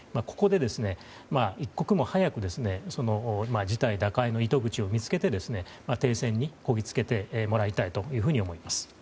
ここで一刻も早く事態打開の糸口を見つけて、停戦にこぎつけてもらいたいと思います。